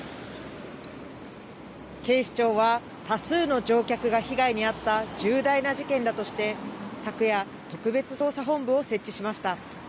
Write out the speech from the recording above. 警視庁は多数の乗客が被害に遭った重大な事件だとして、昨夜、特別捜査本部を設置しました。